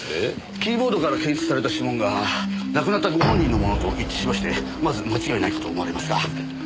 キーボードから検出された指紋が亡くなったご本人のものと一致しましてまず間違いないかと思われますが。